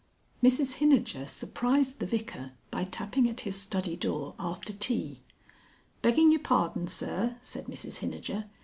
XLIV. Mrs Hinijer surprised the Vicar by tapping at his study door after tea. "Begging your pardon, Sir," said Mrs Hinijer.